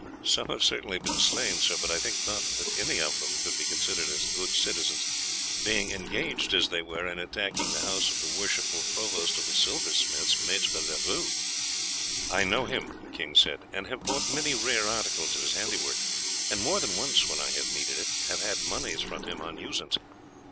"Some have certainly been slain, sire; but I think not that any of them could be considered as good citizens, being engaged, as they were, in attacking the house of the worshipful provost of the silversmiths, Maître Leroux." "I know him," the king said, "and have bought many rare articles of his handiwork, and more than once when I have needed it have had monies from him on usance.